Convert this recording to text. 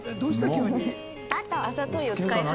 急に。